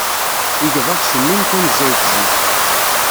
Igḍaḍ cennun tanezzayt zik.